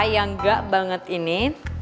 yang gak banget ini